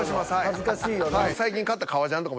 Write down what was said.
恥ずかしいよな。